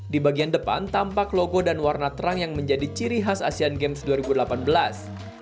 di bagian depan tampak logo dan warna terang yang menjadi ciri khas asean games dua ribu delapan belas